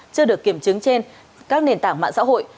chưa được kiểm chứng trên các nền tảng mạng xã hội